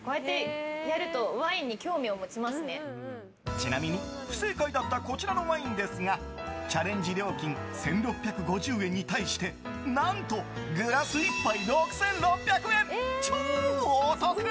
ちなみに、不正解だったこちらのワインですがチャレンジ料金１６５０円に対して何と、グラス１杯６６００円と超お得！